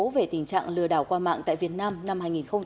về tình trạng lừa đảo qua mạng tại việt nam năm hai nghìn hai mươi